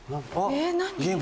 えっ何？